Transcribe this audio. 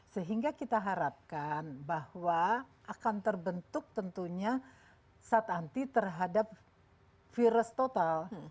sehingga kita harapkan bahwa akan terbentuk tentunya sat anti terhadap virus total